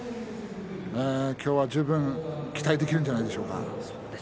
今日は十分、期待できるんじゃないでしょうか。